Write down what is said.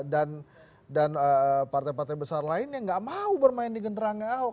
dan partai partai besar lain yang gak mau bermain di genderangnya ahok